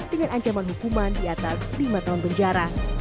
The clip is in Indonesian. dengan ancaman hukuman di atas lima tahun penjara